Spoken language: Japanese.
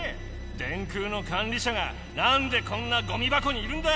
電空のかん理しゃがなんでこんなゴミばこにいるんだ！